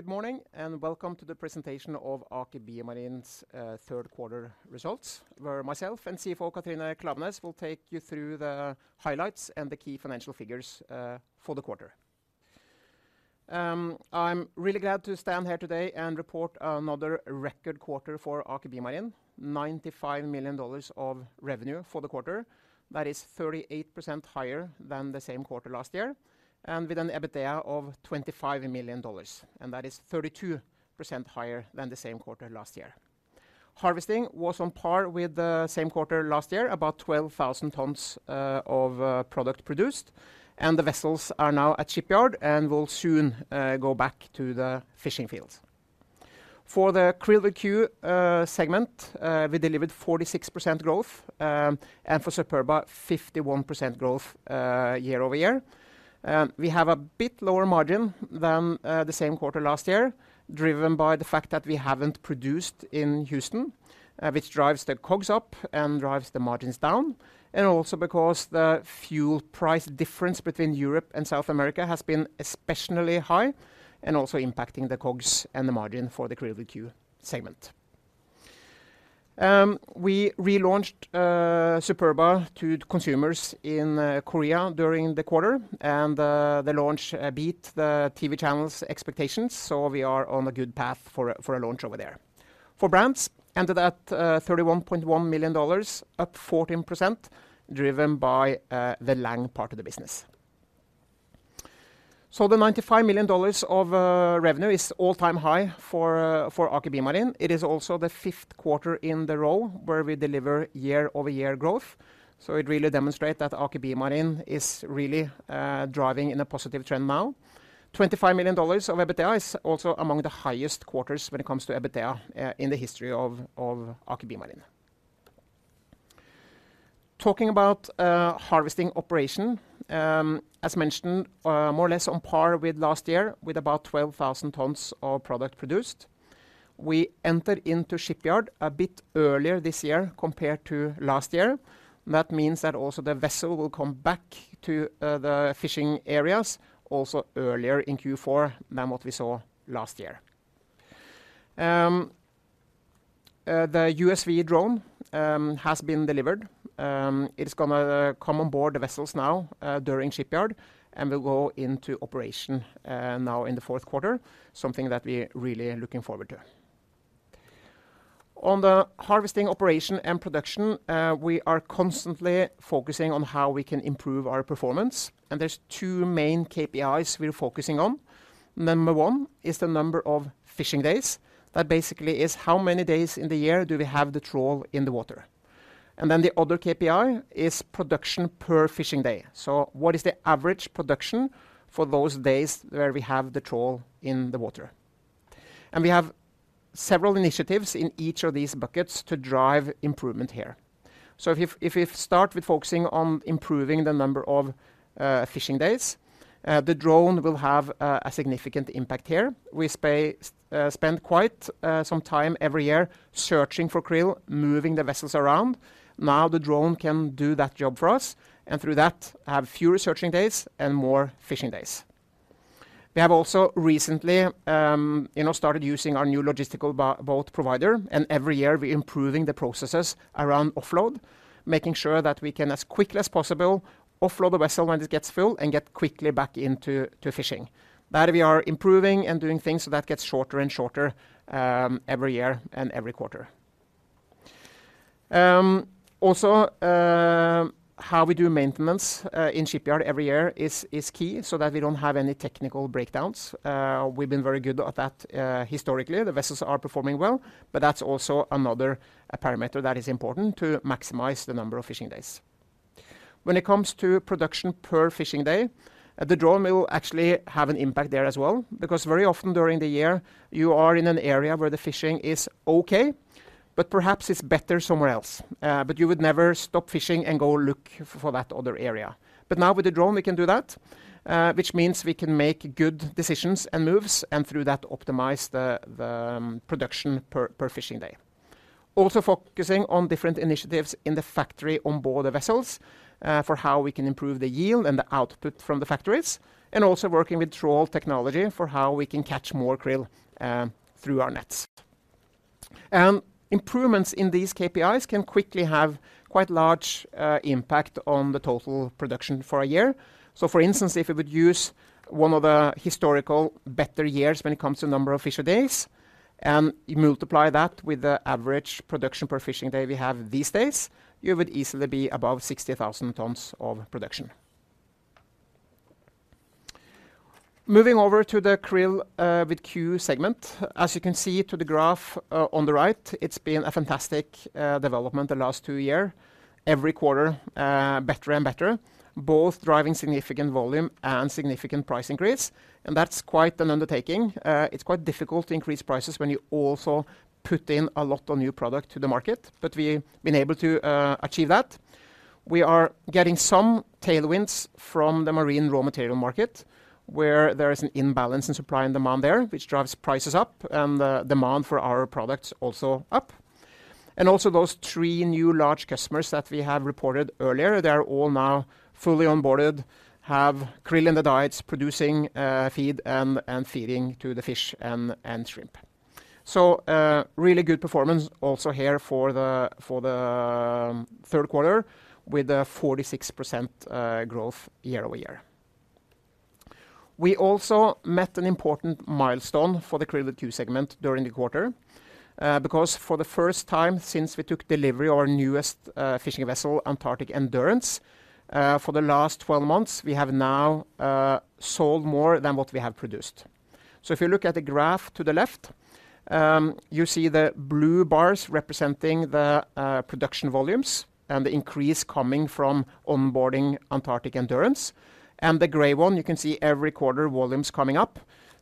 Good morning, and welcome to the presentation of Aker BioMarine's third quarter results, where myself and CFO Katrine Klaveness will take you through the highlights and the key financial figures for the quarter. I'm really glad to stand here today and report another record quarter for Aker BioMarine: $95 million of revenue for the quarter. That is 38% higher than the same quarter last year, and with an EBITDA of $25 million, and that is 32% higher than the same quarter last year. Harvesting was on par with the same quarter last year, about 12,000 tons of product produced, and the vessels are now at shipyard and will soon go back to the fishing fields. For the QRILL segment, we delivered 46% growth, and for Superba, 51% growth, year-over-year. We have a bit lower margin than the same quarter last year, driven by the fact that we haven't produced in Houston, which drives the COGS up and drives the margins down, and also because the fuel price difference between Europe and South America has been especially high and also impacting the COGS and the margin for the QRILL segment. We relaunched Superba to consumers in Korea during the quarter, and the launch beat the TV channel's expectations, so we are on a good path for a launch over there. For brands, ended at $31.1 million, up 14%, driven by the Lang part of the business. So the $95 million of revenue is all-time high for Aker BioMarine. It is also the fifth quarter in a row where we deliver year-over-year growth, so it really demonstrate that Aker BioMarine is really, driving in a positive trend now. $25 million of EBITDA is also among the highest quarters when it comes to EBITDA, in the history of, of Aker BioMarine. Talking about, harvesting operation, as mentioned, more or less on par with last year, with about 12,000 tons of product produced. We entered into shipyard a bit earlier this year compared to last year. That means that also the vessel will come back to, the fishing areas also earlier in Q4 than what we saw last year. The USV drone has been delivered. It is gonna come on board the vessels now, during shipyard and will go into operation, now in the fourth quarter, something that we're really looking forward to. On the harvesting operation and production, we are constantly focusing on how we can improve our performance, and there's two main KPIs we're focusing on. Number one is the number of fishing days. That basically is how many days in the year do we have the trawl in the water? And then the other KPI is production per fishing day. So what is the average production for those days where we have the trawl in the water? And we have several initiatives in each of these buckets to drive improvement here. So if you, if we start with focusing on improving the number of, fishing days, the drone will have, a significant impact here. We spend quite some time every year searching for krill, moving the vessels around. Now, the drone can do that job for us, and through that, have fewer searching days and more fishing days. We have also recently, you know, started using our new logistical boat provider, and every year, we're improving the processes around offload, making sure that we can, as quickly as possible, offload the vessel when it gets filled and get quickly back into fishing. That we are improving and doing things so that gets shorter and shorter, every year and every quarter. Also, how we do maintenance in shipyard every year is key so that we don't have any technical breakdowns. We've been very good at that, historically. The vessels are performing well, but that's also another parameter that is important to maximize the number of fishing days. When it comes to production per fishing day, the drone will actually have an impact there as well, because very often during the year, you are in an area where the fishing is okay, but perhaps it's better somewhere else. But you would never stop fishing and go look for that other area. But now with the drone, we can do that, which means we can make good decisions and moves, and through that, optimize the production per fishing day. Also, focusing on different initiatives in the factory on board the vessels, for how we can improve the yield and the output from the factories, and also working with trawl technology for how we can catch more krill, through our nets. Improvements in these KPIs can quickly have quite large impact on the total production for a year. So for instance, if we would use one of the historical better years when it comes to number of fishing days, and you multiply that with the average production per fishing day we have these days, you would easily be above 60,000 tons of production. Moving over to the QRILL segment, as you can see to the graph on the right, it's been a fantastic development the last two years. Every quarter better and better, both driving significant volume and significant price increase, and that's quite an undertaking. It's quite difficult to increase prices when you also put in a lot of new product to the market, but we've been able to achieve that. We are getting some tailwinds from the marine raw material market, where there is an imbalance in supply and demand there, which drives prices up and the demand for our products also up. And also those three new large customers that we have reported earlier, they are all now fully onboarded, have krill in the diets, producing feed and feeding to the fish and shrimp. So, really good performance also here for the third quarter, with a 46% growth year-over-year. We also met an important milestone for the QRILL Aqua segment during the quarter, because for the first time since we took delivery of our newest fishing vessel, Antarctic Endurance, for the last 12 months, we have now sold more than what we have produced. So if you look at the graph to the left, you see the blue bars representing the production volumes and the increase coming from onboarding Antarctic Endurance. The gray one, you can see every quarter volumes coming up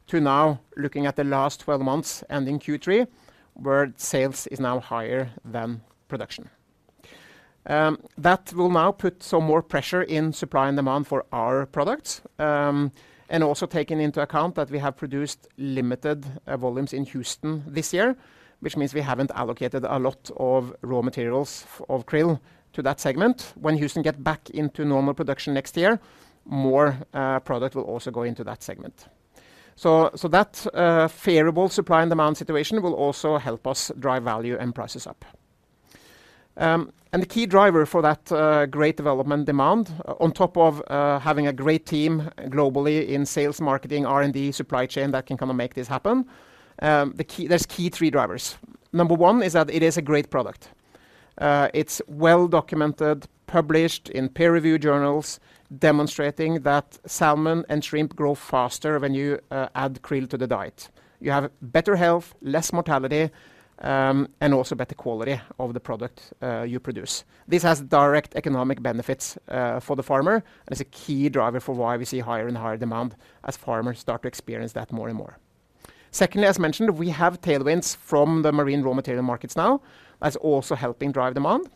to now looking at the last 12 months, ending Q3, where sales is now higher than production. That will now put some more pressure in supply and demand for our products, and also taking into account that we have produced limited volumes in Houston this year, which means we haven't allocated a lot of raw materials of krill to that segment. When Houston get back into normal production next year, more product will also go into that segment. So that favorable supply and demand situation will also help us drive value and prices up. The key driver for that great development demand, on top of having a great team globally in sales, marketing, R&D, supply chain that can come and make this happen, there are three key drivers. Number one is that it is a great product. It's well documented, published in peer review journals, demonstrating that salmon and shrimp grow faster when you add krill to the diet. You have better health, less mortality, and also better quality of the product you produce. This has direct economic benefits for the farmer and is a key driver for why we see higher and higher demand as farmers start to experience that more and more. Secondly, as mentioned, we have tailwinds from the marine raw material markets now. That's also helping drive demand.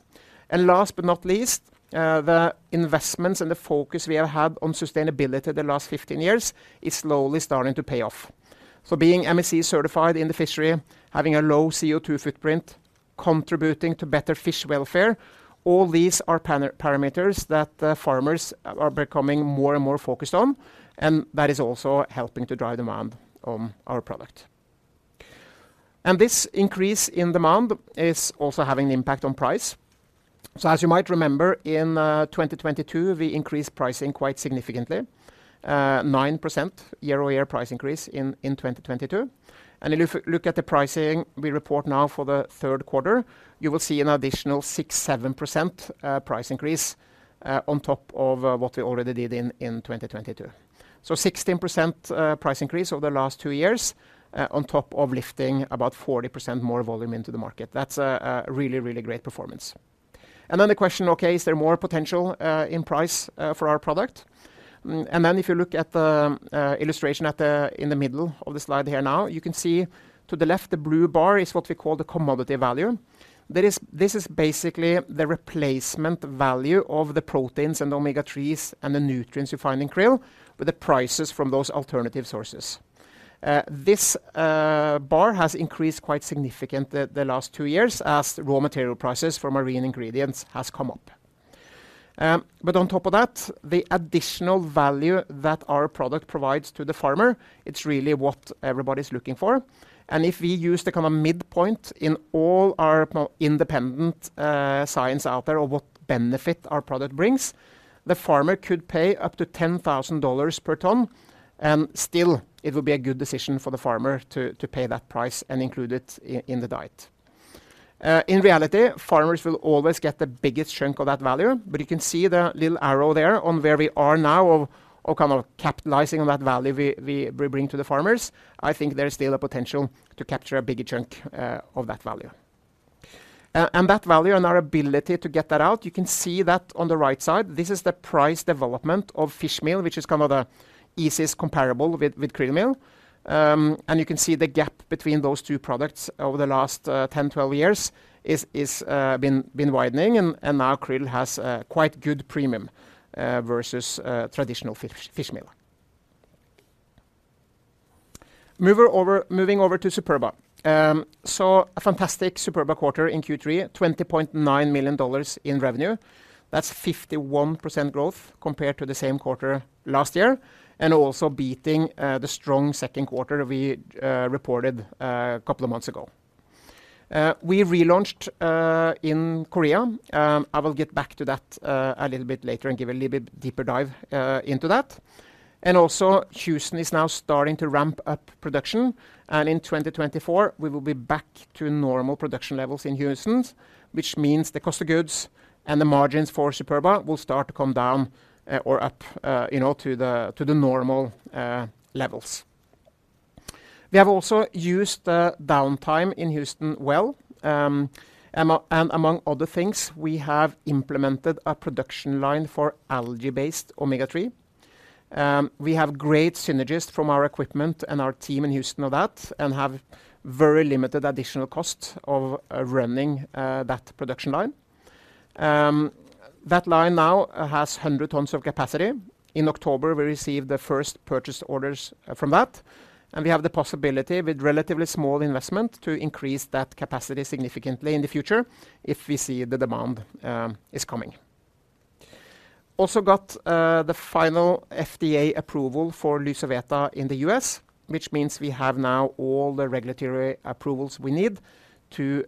And last but not least, the investments and the focus we have had on sustainability the last 15 years is slowly starting to pay off. So being MSC certified in the fishery, having a low CO2 footprint, contributing to better fish welfare, all these are parameters that the farmers are becoming more and more focused on, and that is also helping to drive demand on our product. And this increase in demand is also having an impact on price. So as you might remember, in 2022, we increased pricing quite significantly, 9% year-over-year price increase in 2022. And if you look at the pricing we report now for the third quarter, you will see an additional 6%-7% price increase on top of what we already did in 2022. So 16% price increase over the last two years, on top of lifting about 40% more volume into the market. That's a really, really great performance. And then the question, okay, is there more potential in price for our product? And then if you look at the illustration in the middle of the slide here now, you can see to the left, the blue bar is what we call the commodity value. This is basically the replacement value of the proteins and omega-3s and the nutrients you find in krill, with the prices from those alternative sources. This bar has increased quite significant the last two years as raw material prices for marine ingredients has come up. But on top of that, the additional value that our product provides to the farmer, it's really what everybody's looking for. And if we use the kind of midpoint in all our independent science out there of what benefit our product brings, the farmer could pay up to $10,000 per ton, and still it would be a good decision for the farmer to pay that price and include it in the diet. In reality, farmers will always get the biggest chunk of that value, but you can see the little arrow there on where we are now of kind of capitalizing on that value we bring to the farmers. I think there is still a potential to capture a bigger chunk of that value. And that value and our ability to get that out, you can see that on the right side. This is the price development of fish meal, which is kind of the easiest comparable with krill meal. And you can see the gap between those two products over the last 10, 12 years has been widening, and now krill has a quite good premium versus traditional fish meal. Moving over to Superba. So a fantastic Superba quarter in Q3, $20.9 million in revenue. That's 51% growth compared to the same quarter last year, and also beating the strong second quarter we reported a couple of months ago. We relaunched in Korea. I will get back to that, a little bit later and give a little bit deeper dive, into that. And also, Houston is now starting to ramp up production, and in 2024, we will be back to normal production levels in Houston, which means the cost of goods and the margins for Superba will start to come down, or up, you know, to the normal levels. We have also used the downtime in Houston well. And among other things, we have implemented a production line for algae-based omega-3. We have great synergies from our equipment and our team in Houston on that and have very limited additional cost of running that production line. That line now has 100 tons of capacity. In October, we received the first purchase orders from that, and we have the possibility, with relatively small investment, to increase that capacity significantly in the future if we see the demand is coming. Also got the final FDA approval for Lysoveta in the U.S., which means we have now all the regulatory approvals we need to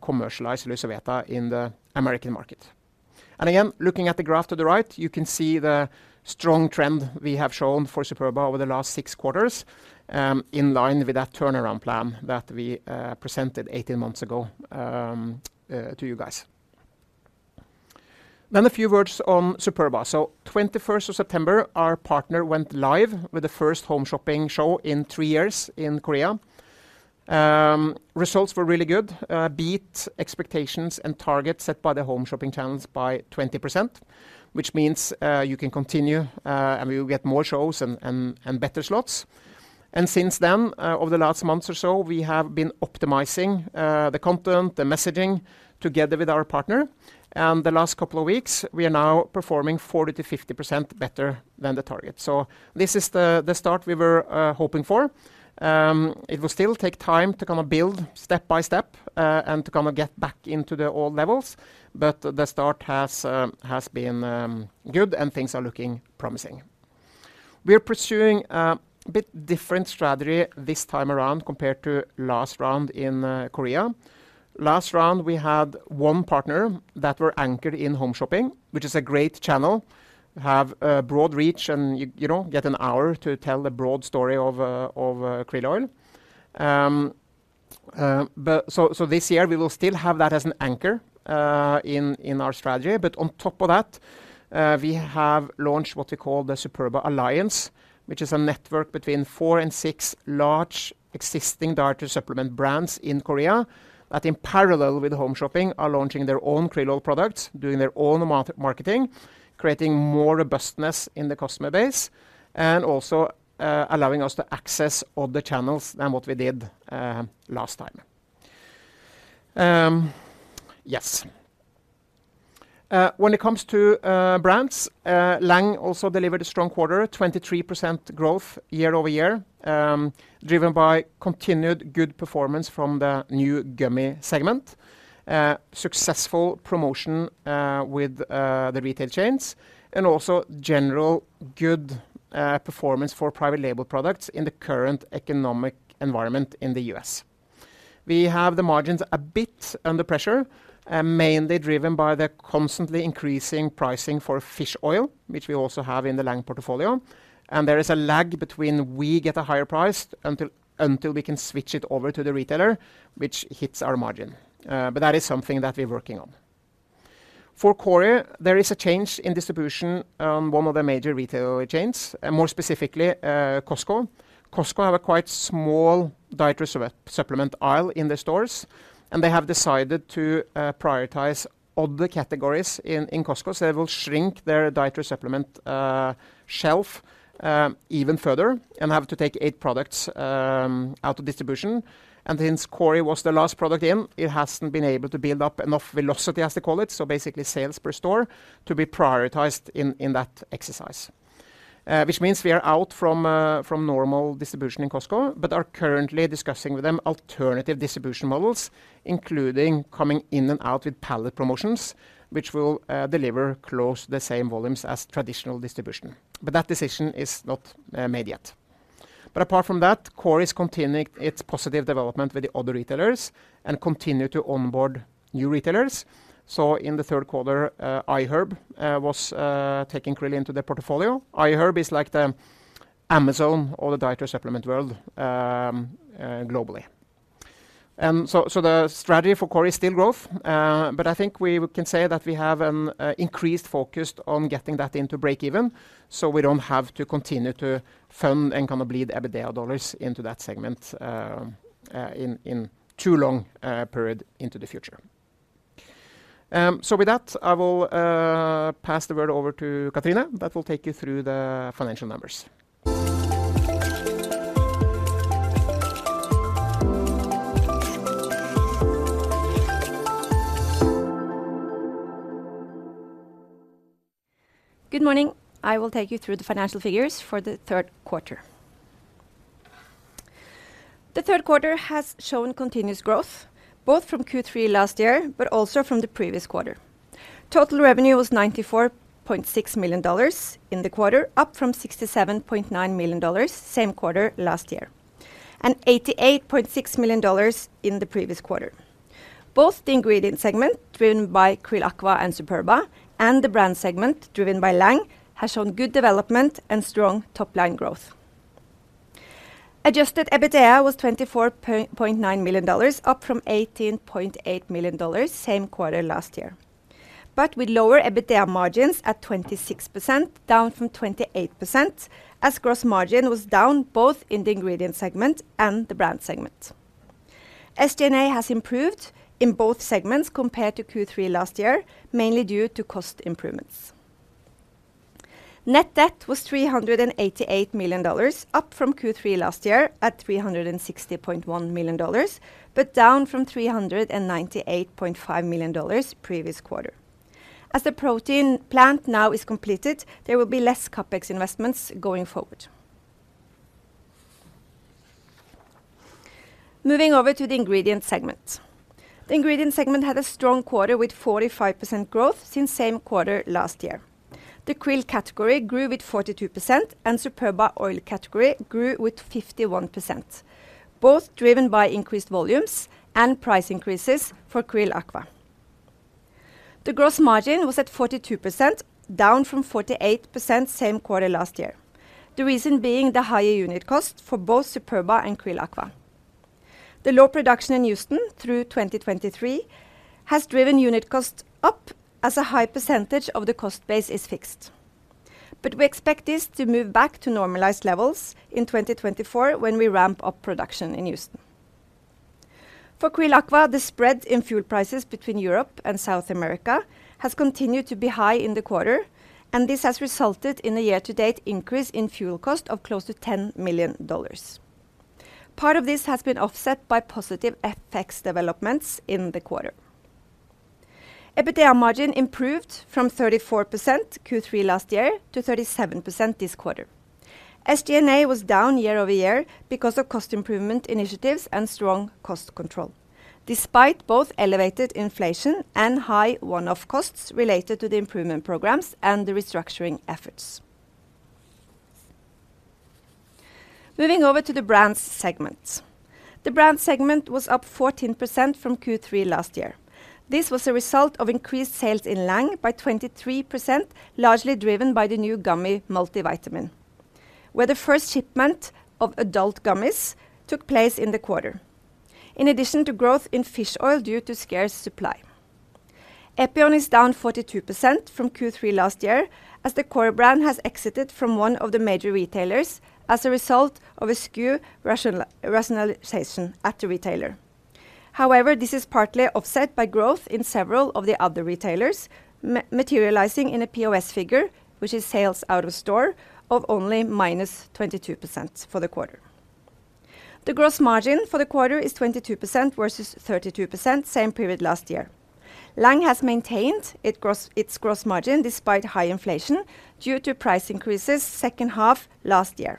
commercialize Lysoveta in the American market. Again, looking at the graph to the right, you can see the strong trend we have shown for Superba over the last six quarters in line with that turnaround plan that we presented 18 months ago to you guys. Then a few words on Superba. On September 21, our partner went live with the first home shopping show in 3 years in Korea. Results were really good, beat expectations and targets set by the home shopping channels by 20%, which means you can continue, and we will get more shows and better slots. Since then, over the last month or so, we have been optimizing the content, the messaging, together with our partner. The last couple of weeks, we are now performing 40%-50% better than the target. So this is the start we were hoping for. It will still take time to kind of build step by step, and to kind of get back into the old levels, but the start has been good, and things are looking promising. We are pursuing a bit different strategy this time around compared to last round in Korea. Last round, we had one partner that were anchored in home shopping, which is a great channel, have a broad reach, and you, you know, get an hour to tell the broad story of krill oil. But so, so this year we will still have that as an anchor in our strategy. But on top of that, we have launched what we call the Superba Alliance, which is a network between four and six large existing dietary supplement brands in Korea, that in parallel with home shopping, are launching their own krill oil products, doing their own marketing, creating more robustness in the customer base, and also allowing us to access all the channels than what we did last time. Yes. When it comes to brands, Lang also delivered a strong quarter, 23% growth year-over-year, driven by continued good performance from the new gummy segment, successful promotion with the retail chains, and also general good performance for private label products in the current economic environment in the U.S. We have the margins a bit under pressure, mainly driven by the constantly increasing pricing for fish oil, which we also have in the Lang portfolio. And there is a lag between we get a higher price until we can switch it over to the retailer, which hits our margin. But that is something that we're working on. For Kori, there is a change in distribution on one of the major retail chains, and more specifically, Costco. Costco have a quite small dietary supplement aisle in the stores, and they have decided to prioritize other categories in Costco. So they will shrink their dietary supplement shelf even further and have to take eight products out of distribution. And since Kori was the last product in, it hasn't been able to build up enough velocity, as they call it, so basically sales per store to be prioritized in that exercise. Which means we are out from normal distribution in Costco, but are currently discussing with them alternative distribution models, including coming in and out with pallet promotions, which will deliver close to the same volumes as traditional distribution. But that decision is not made yet. But apart from that, Kori is continuing its positive development with the other retailers and continue to onboard new retailers. So in the third quarter, iHerb was taking krill into their portfolio. iHerb is like the Amazon of the dietary supplement world, globally. And so the strategy for Kori is still growth, but I think we can say that we have an increased focus on getting that into break even, so we don't have to continue to fund and kind of bleed EBITDA dollars into that segment, in too long a period into the future. So with that, I will pass the word over to Katrine, that will take you through the financial numbers. Good morning. I will take you through the financial figures for the third quarter. The third quarter has shown continuous growth, both from Q3 last year, but also from the previous quarter. Total revenue was $94.6 million in the quarter, up from $67.9 million, same quarter last year, and $88.6 million in the previous quarter. Both the ingredient segment, driven by QRILL Aqua and Superba, and the brand segment, driven by Lang, has shown good development and strong top-line growth. Adjusted EBITDA was $24.9 million, up from $18.8 million, same quarter last year. But with lower EBITDA margins at 26%, down from 28%, as gross margin was down both in the ingredient segment and the brand segment. SG&A has improved in both segments compared to Q3 last year, mainly due to cost improvements. Net debt was $388 million, up from Q3 last year at $360.1 million, but down from $398.5 million previous quarter. As the protein plant now is completed, there will be less CapEx investments going forward. Moving over to the ingredient segment. The ingredient segment had a strong quarter with 45% growth since same quarter last year. The krill category grew with 42%, and Superba oil category grew with 51%, both driven by increased volumes and price increases for QRILL Aqua. The gross margin was at 42%, down from 48% same quarter last year. The reason being the higher unit cost for both Superba and QRILL Aqua. The low production in Houston through 2023 has driven unit cost up as a high percentage of the cost base is fixed. But we expect this to move back to normalized levels in 2024, when we ramp up production in Houston. For QRILL Aqua, the spread in fuel prices between Europe and South America has continued to be high in the quarter, and this has resulted in a year-to-date increase in fuel cost of close to $10 million. Part of this has been offset by positive FX developments in the quarter. EBITDA margin improved from 34% Q3 last year to 37% this quarter. SG&A was down year-over-year because of cost improvement initiatives and strong cost control, despite both elevated inflation and high one-off costs related to the improvement programs and the restructuring efforts. Moving over to the brands segment. The brand segment was up 14% from Q3 last year. This was a result of increased sales in Lang by 23%, largely driven by the new gummy multivitamin, where the first shipment of adult gummies took place in the quarter. In addition to growth in fish oil due to scarce supply. Epion is down 42% from Q3 last year, as the core brand has exited from one of the major retailers as a result of a SKU rationalization at the retailer. However, this is partly offset by growth in several of the other retailers, materializing in a POS figure, which is sales out of store of only minus 22% for the quarter. The gross margin for the quarter is 22% versus 32% same period last year. Lang has maintained its gross, its gross margin despite high inflation due to price increases second half last year,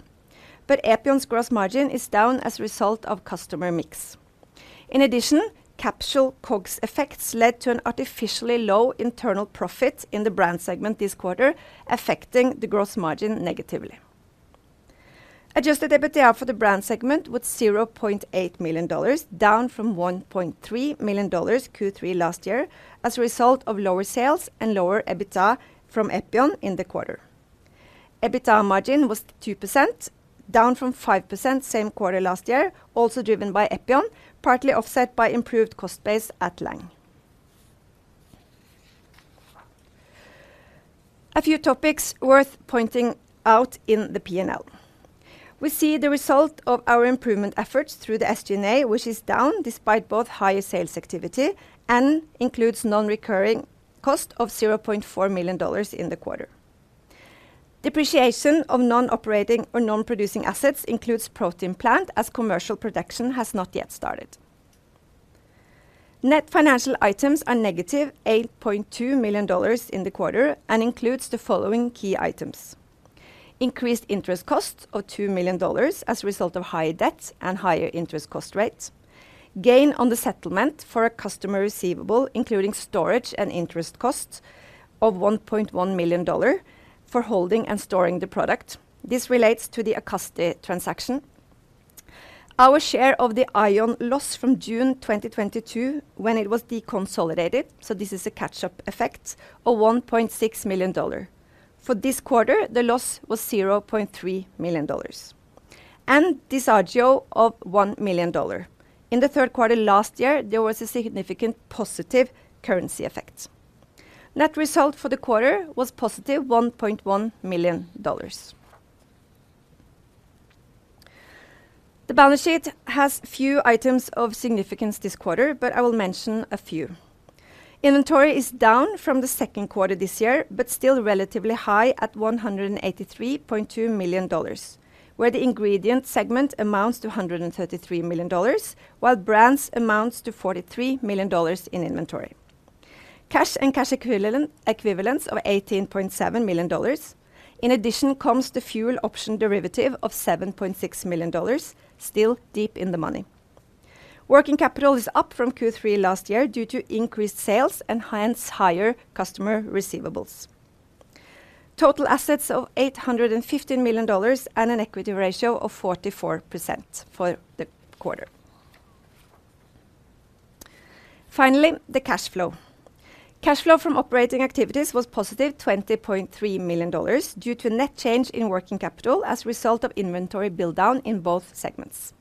but Epion's gross margin is down as a result of customer mix. In addition, capsule COGS effects led to an artificially low internal profit in the brand segment this quarter, affecting the gross margin negatively. Adjusted EBITDA for the brand segment was $0.8 million, down from $1.3 million Q3 last year, as a result of lower sales and lower EBITDA from Epion in the quarter. EBITDA margin was 2%, down from 5% same quarter last year, also driven by Epion, partly offset by improved cost base at Lang. A few topics worth pointing out in the P&L. We see the result of our improvement efforts through the SG&A, which is down despite both higher sales activity and includes non-recurring cost of $0.4 million in the quarter. Depreciation of non-operating or non-producing assets includes protein plant, as commercial production has not yet started. Net financial items are -$8.2 million in the quarter and includes the following key items: increased interest costs of $2 million as a result of higher debt and higher interest cost rates. Gain on the settlement for a customer receivable, including storage and interest costs of $1.1 million for holding and storing the product. This relates to the Acasti transaction. Our share of the AION loss from June 2022, when it was deconsolidated, so this is a catch-up effect of $1.6 million. For this quarter, the loss was $0.3 million. Disagio of $1 million. In the third quarter last year, there was a significant positive currency effect. Net result for the quarter was positive $1.1 million. The balance sheet has few items of significance this quarter, but I will mention a few. Inventory is down from the second quarter this year, but still relatively high at $183.2 million, where the ingredient segment amounts to $133 million, while brands amounts to $43 million in inventory. Cash and cash equivalents of $18.7 million. In addition, comes the fuel option derivative of $7.6 million, still deep in the money. Working capital is up from Q3 last year due to increased sales and hence higher customer receivables. Total assets of $850 million, and an equity ratio of 44% for the quarter. Finally, the cash flow. Cash flow from operating activities was positive $20.3 million, due to net change in working capital as a result of inventory build down in both segments.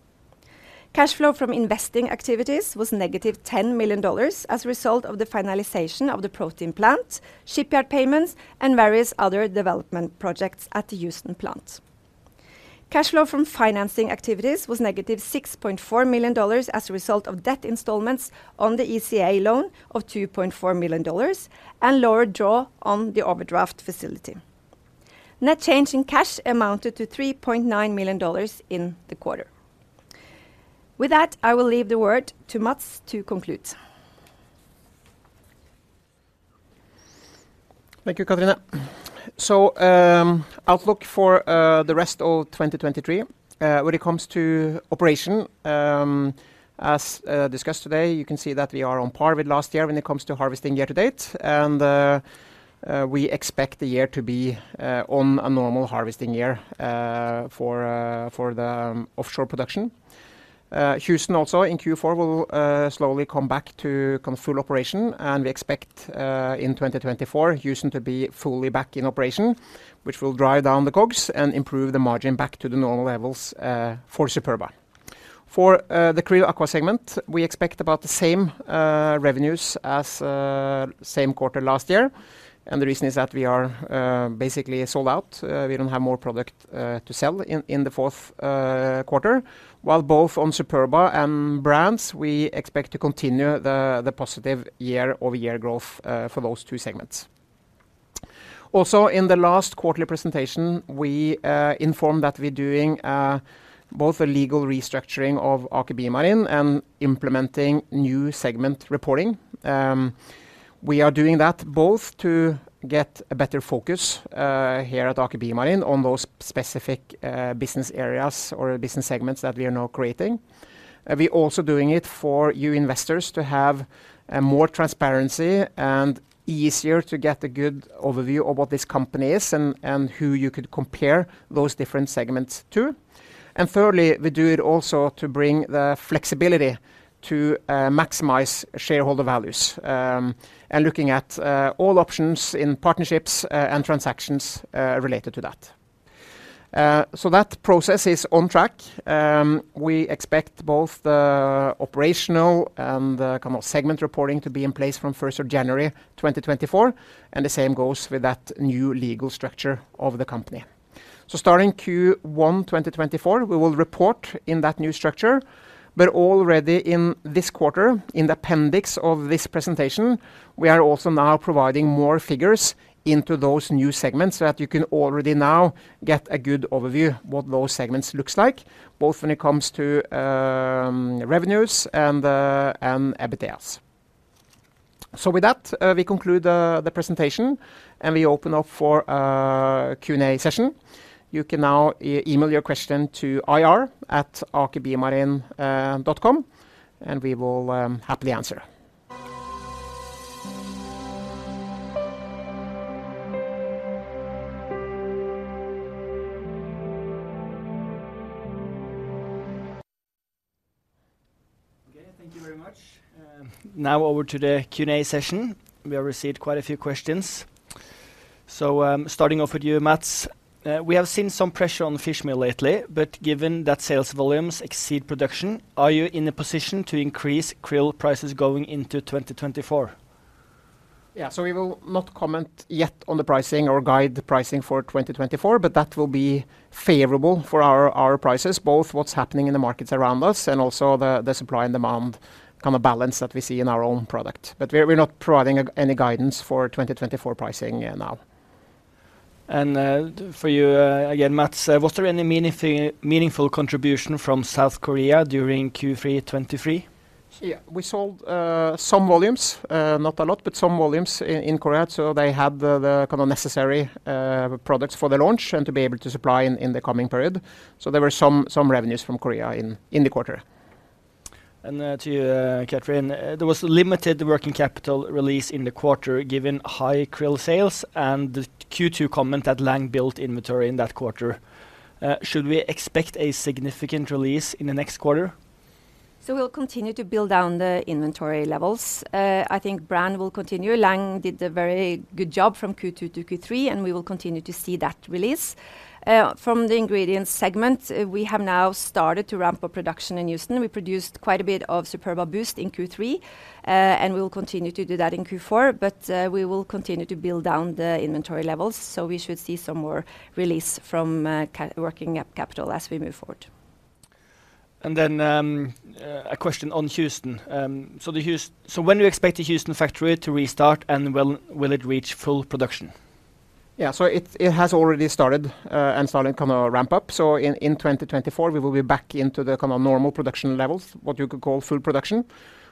Cash flow from investing activities was negative $10 million as a result of the finalization of the protein plant, shipyard payments, and various other development projects at the Houston plant. Cash flow from financing activities was negative $6.4 million as a result of debt installments on the ECA loan of $2.4 million, and lower draw on the overdraft facility. Net change in cash amounted to $3.9 million in the quarter. With that, I will leave the word to Matts to conclude. Thank you, Katrine. So, outlook for the rest of 2023. When it comes to operation, as discussed today, you can see that we are on par with last year when it comes to harvesting year to date. And we expect the year to be on a normal harvesting year for the offshore production. Houston also in Q4 will slowly come back to kind of full operation, and we expect in 2024 Houston to be fully back in operation, which will drive down the COGS and improve the margin back to the normal levels for Superba. For the QRILL Aqua segment, we expect about the same revenues as same quarter last year. And the reason is that we are basically sold out. We don't have more product to sell in the fourth quarter. While both on Superba and brands, we expect to continue the positive year-over-year growth for those two segments. Also, in the last quarterly presentation, we informed that we're doing both a legal restructuring of Aker BioMarine and implementing new segment reporting. We are doing that both to get a better focus here at Aker BioMarine on those specific business areas or business segments that we are now creating. And we're also doing it for you investors to have more transparency and easier to get a good overview of what this company is, and who you could compare those different segments to. And thirdly, we do it also to bring the flexibility to maximize shareholder values, and looking at all options in partnerships and transactions related to that. So that process is on track. We expect both the operational and the kind of segment reporting to be in place from first of January 2024, and the same goes with that new legal structure of the company. So starting Q1, 2024, we will report in that new structure. But already in this quarter, in the appendix of this presentation, we are also now providing more figures into those new segments, so that you can already now get a good overview what those segments looks like, both when it comes to revenues and the and EBITDAs. So with that, we conclude the presentation, and we open up for a Q&A session. You can now email your question to ir@akerbiomarine.com, and we will happily answer. Okay, thank you very much. Now over to the Q&A session. We have received quite a few questions. So, starting off with you, Matts. We have seen some pressure on the fish meal lately, but given that sales volumes exceed production, are you in a position to increase krill prices going into 2024? Yeah. So we will not comment yet on the pricing or guide the pricing for 2024, but that will be favorable for our, our prices, both what's happening in the markets around us and also the, the supply and demand kind of balance that we see in our own product. But we're, we're not providing any guidance for 2024 pricing, now. For you, again, Matts, was there any meaningful contribution from South Korea during Q3 2023? Yeah. We sold some volumes, not a lot, but some volumes in Korea. So they had the kind of necessary products for the launch and to be able to supply in the coming period. So there were some revenues from Korea in the quarter. To you, Katrine. There was limited working capital release in the quarter, given high krill sales and the Q2 comment that Lang built inventory in that quarter. Should we expect a significant release in the next quarter? So we'll continue to build down the inventory levels. I think brand will continue. Lang did a very good job from Q2 to Q3, and we will continue to see that release. From the ingredients segment, we have now started to ramp up production in Houston. We produced quite a bit of Superba Boost in Q3, and we will continue to do that in Q4. But we will continue to build down the inventory levels, so we should see some more release from working capital as we move forward. And then, a question on Houston. So when do you expect the Houston factory to restart, and will it reach full production? Yeah. So it has already started and started kind of ramp up. So in 2024, we will be back into the kind of normal production levels, what you could call full production.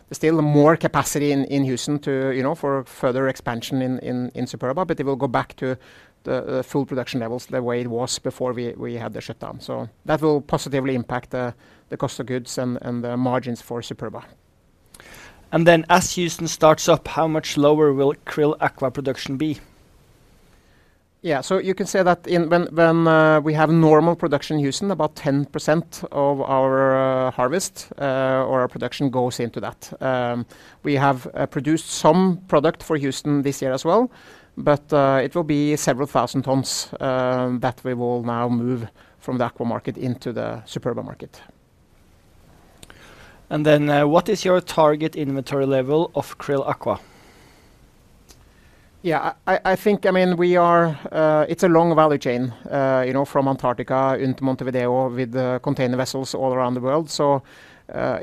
There's still more capacity in Houston to, you know, for further expansion in Superba, but it will go back to the full production levels, the way it was before we had the shutdown. So that will positively impact the cost of goods and the margins for Superba. As Houston starts up, how much lower will QRILL Aqua production be? Yeah. So you can say that when we have normal production in Houston, about 10% of our harvest or our production goes into that. We have produced some product for Houston this year as well, but it will be several thousand tons that we will now move from the Aqua market into the Superba market. Then, what is your target inventory level of QRILL Aqua? Yeah, I think, I mean, we are, it's a long value chain, you know, from Antarctica into Montevideo with the container vessels all around the world. So,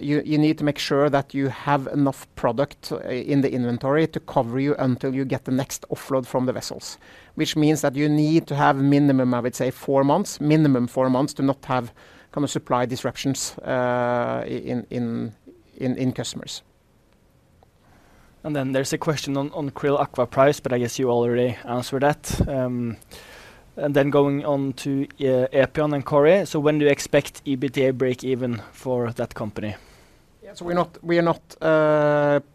you need to make sure that you have enough product in the inventory to cover you until you get the next offload from the vessels. Which means that you need to have minimum, I would say, four months, minimum four months to not have kind of supply disruptions in customers. Then there's a question on QRILL Aqua price, but I guess you already answered that. Then going on to Epion and Korea. So when do you expect EBITDA break even for that company? Yeah. So we're not, we are not,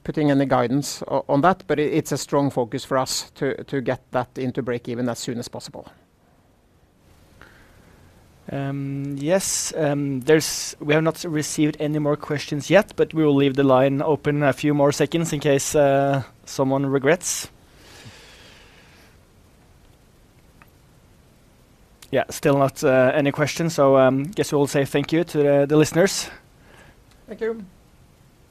putting any guidance on that, but it's a strong focus for us to get that into break even as soon as possible. Yes, we have not received any more questions yet, but we will leave the line open a few more seconds in case someone regrets. Still not any questions, so guess we'll say thank you to the listeners. Thank you!